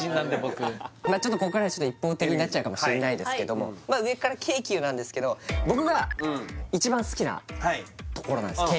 ちょっとこっからは一方的になっちゃうかもしれないですけど上から京急なんですけど僕が一番好きなところなんです